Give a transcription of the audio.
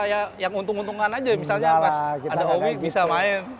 apa yang untung untungan aja misalnya pas ada owi bisa main